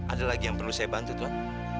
ada lagi yang perlu saya bantu tuhan